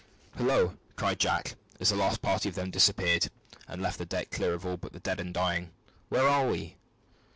"Hillo!" cried Jack, as the last party of them disappeared, and left the deck clear of all but the dead or dying, "where are we?"